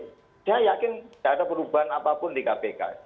saya yakin tidak ada perubahan apapun di kpk